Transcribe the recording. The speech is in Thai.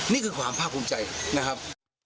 นี่คือความภาคภูมิใจนะครับ